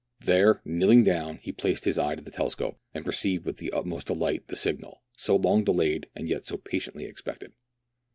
There, kneeling down, he place4 his ey€ to the telescope, and perceived with the utmost delight the signal, so long delayed and yet so patiently expected.